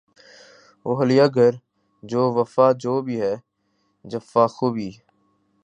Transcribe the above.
وہ حیلہ گر جو وفا جو بھی ہے جفاخو بھی